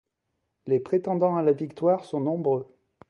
Les prétendants à la victoire sont nombreux.